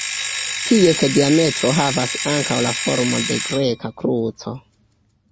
Ties diametro havas ankaŭ la formon de greka kruco.